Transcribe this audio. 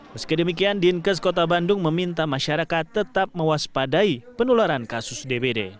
meski demikian dinkes kota bandung meminta masyarakat tetap mewaspadai penularan kasus dpd